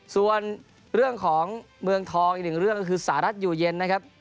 ส่วนเรื่องของเมืองทองอีกหนึ่งเรื่องก็คือสหรัฐอยู่เย็นนะครับ